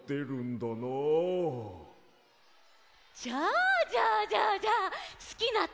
じゃあじゃあじゃあじゃあすきなたべものはなに？